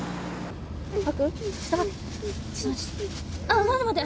あ待って待って。